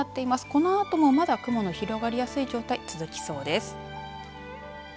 このあともまだ雲の広がりやすい状態、続いてきそうです。